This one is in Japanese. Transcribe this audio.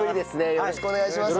よろしくお願いします。